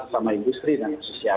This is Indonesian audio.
sama industri dan sosial